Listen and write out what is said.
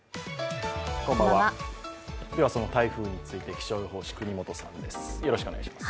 その台風について気象予報士・國本さんです。